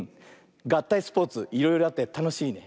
がったいスポーツいろいろあってたのしいね。